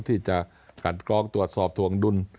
ที่จะขัดกรองตรวจสอบถวงดุล